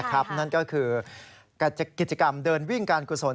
นั่นก็คือกิจกรรมเดินวิ่งการกุศล